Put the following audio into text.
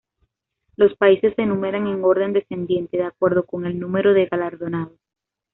Los países se enumeran en orden descendiente de acuerdo con el número de galardonados.